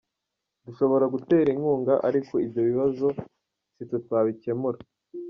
Dushobora gutera inkunga ariko ibyo bibazo si twe twabikemura.